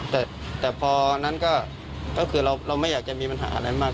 แต่พอนั้นก็คือเราไม่อยากจะมีปัญหาอะไรมาก